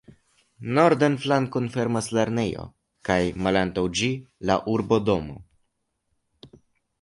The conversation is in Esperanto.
Nordan flankon fermas lernejo kaj malantaŭ ĝi la urbodomo.